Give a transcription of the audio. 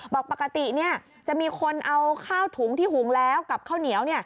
บอกปกติจะมีคนเอาข้าวถุงที่หุงแล้วกับข้าวเหนียว